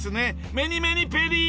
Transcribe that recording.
メニーメニーペリー。